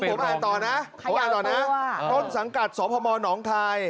ผมอ่านต่อนะเขาอ่านต่อนะว่าต้นสังกัดสพมหนองคาย